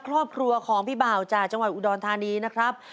ครอบครัวของพี่บ่าวจากจังหวัดอุดรธานีนะครับ